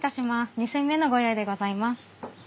２煎目のご用意でございます。